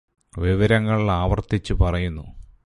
വിവരങ്ങള് ആവർത്തിച്ച് പറയുന്നു